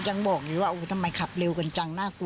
ก็ยังบอกอย่างงี้ว่าโอ้ยทำไมขับเร็วกันจังน่ากลัว